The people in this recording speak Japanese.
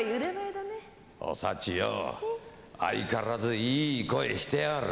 お幸よう相変わらずいい声してやがる。